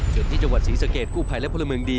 ส่วนที่จังหวัดศรีสะเกดกู้ภัยและพลเมืองดี